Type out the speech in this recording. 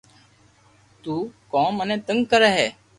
تو ڪو مني تنگ ڪري ھي